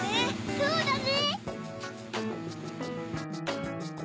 そうだね！